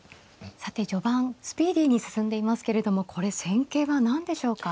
さて序盤スピーディーに進んでいますけれどもこれ戦型は何でしょうか。